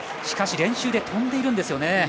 しかし練習で飛んでいるんですよね。